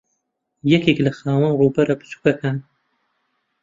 یەکێکە لە خاوەن ڕووبەرە بچووکەکان